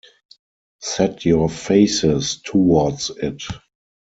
Set your faces towards it.